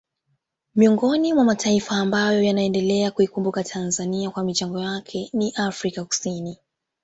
Miongoni mwa mataifa ambayo yanaendelea kuikumbuka Tanzania kwa mchango wake ni Afrika Kusini